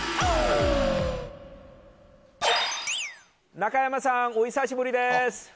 中山さん、お久しぶりです。